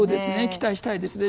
期待したいですね。